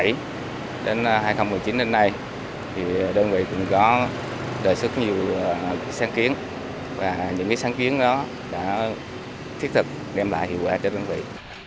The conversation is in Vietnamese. trong những năm từ hai nghìn một mươi bảy đến hai nghìn một mươi chín đến nay đơn vị cũng có đề xuất nhiều sáng kiến và những sáng kiến đó đã thiết thực đem lại hiệu quả cho đơn vị